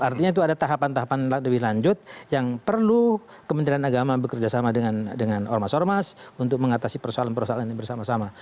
artinya itu ada tahapan tahapan lebih lanjut yang perlu kementerian agama bekerjasama dengan ormas ormas untuk mengatasi persoalan persoalan ini bersama sama